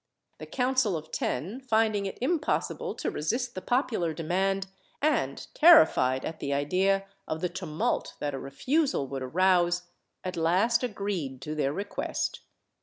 The Council of Ten, finding it impossible to resist the popular demand, and terrified at the idea of the tumult that a refusal would arouse, at last agreed to their request.